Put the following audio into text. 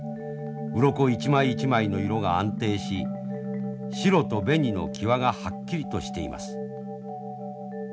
うろこ一枚一枚の色が安定し白と紅の際がはっきりとしています。